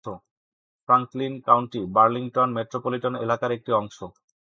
Franklin county Burlington metropolitan এলাকার একটি অংশ।